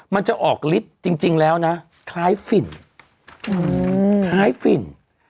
มันจะออกฤทธิ์จริงแล้วนะคล้ายฝิ่นคล้ายฝิ่น